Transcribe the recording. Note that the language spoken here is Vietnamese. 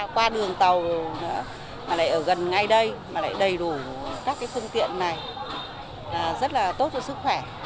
qua đường tàu mà lại ở gần ngay đây mà lại đầy đủ các cái phương tiện này rất là tốt cho sức khỏe